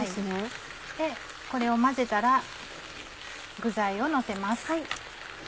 これを混ぜたら具材をのせます。